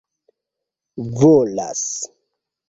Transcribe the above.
volas